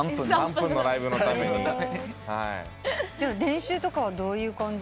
練習とかはどういう感じで？